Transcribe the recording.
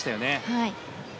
はい。